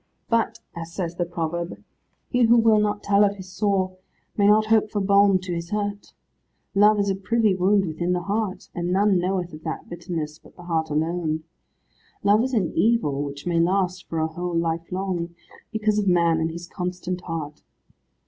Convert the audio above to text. But as says the proverb he who will not tell of his sore, may not hope for balm to his hurt. Love is a privy wound within the heart, and none knoweth of that bitterness but the heart alone. Love is an evil which may last for a whole life long, because of man and his constant heart.